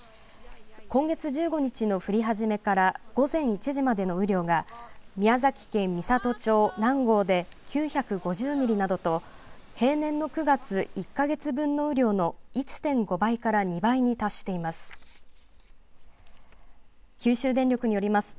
今月１５日の降り始めから午前１時までの雨量が宮崎県美郷町南郷で９５０ミリなどと、平年の９月１か月分の雨量の１．５倍から２倍に達しています。